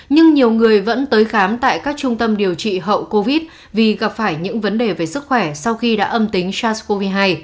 nhưng nhiều người vẫn tới khám tại các trung tâm điều trị hậu covid vì gặp phải những vấn đề về sức khỏe sau khi đã âm tính sars cov hai